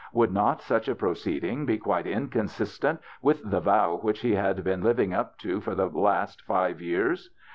Would not such a proceeding be quite inconsistent with the vow which he had been living up to for the past five years